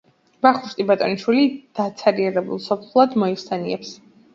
ვახუშტი ბატონიშვილი დაცარიელებულ სოფლად მოიხსენიებს.